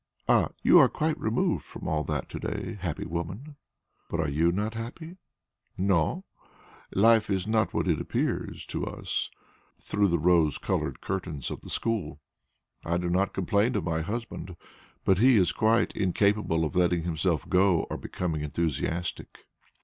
Ah, you are quite removed from all that to day, happy woman!" "But are not you happy?" "Non. Life is not what it appeared to us through the rose coloured curtains of the school. I do not complain of my husband, but he is quite incapable of letting himself go or of becoming enthusiastic."